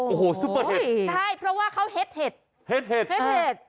โอ้โหซุปเปอร์เห็ดใช่เพราะว่าเขาเฮ็ดเห็ดเห็ดเห็ดเห็ด